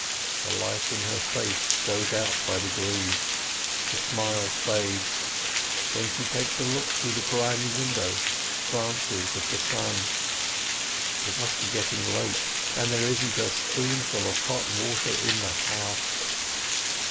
The light in her face goes out by degrees, the smile fades, then she takes a look through the grimy window, glances at the sun. It must be getting late, and there isn't a spoonful of hot water in the house.